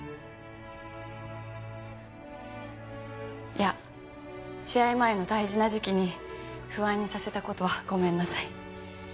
いや試合前の大事な時期に不安にさせた事はごめんなさい。